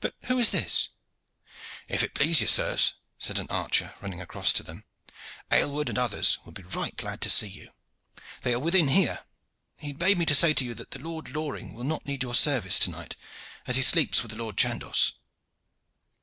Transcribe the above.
But who is this?" "If it please you, sirs," said an archer, running across to them, "Aylward and others would be right glad to see you. They are within here. He bade me say to you that the Lord Loring will not need your service to night, as he sleeps with the Lord Chandos."